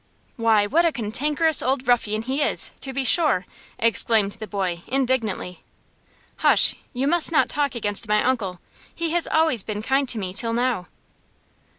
"Why, what a cantankerous old ruffian he is, to be sure!" exclaimed the boy, indignantly. "Hush! you must not talk against my uncle. He has always been kind to me till now."